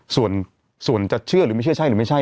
ส่วนจะเชื่อหรือไม่เชื่อใช่หรือไม่ใช่